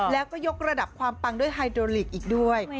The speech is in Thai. แล้วก็ยกระดับความปังด้วยไฮโดลิกอีกด้วย